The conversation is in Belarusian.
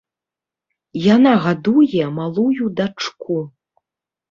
Яна гадуе малую дачку.